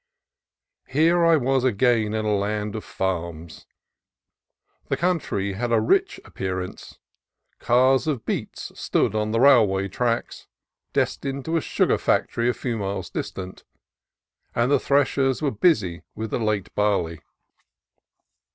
Here I was again in a land of farms. The country had a rich appearance; cars of beets stood on the railway tracks, destined to a sugar factory a few miles distant, and the threshers were busy with the late barley.